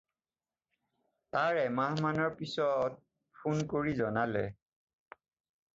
তাৰ এমাহমানৰ পিছত ফোন কৰি জনালে।